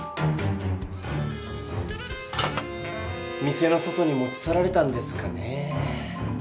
店の外に持ちさられたんですかね？